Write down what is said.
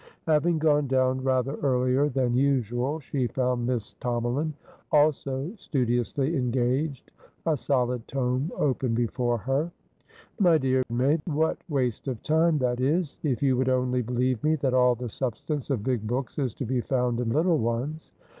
Having gone down rather earlier than usual, she found Miss Tomalin also studiously engaged, a solid tome open before her. "My dear May, what waste of time that is! If you would only believe me that all the substance of big books is to be found in little ones!